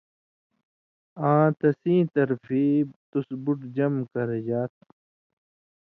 آں تسیں طرفی تُس بُٹ جمع کرژا تھو